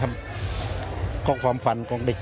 คุณยายบอกว่ารู้สึกเหมือนใครมายืนอยู่ข้างหลัง